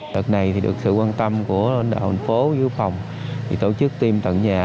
thật này thì được sự quan tâm của đạo hành phố giữ phòng tổ chức tiêm tận nhà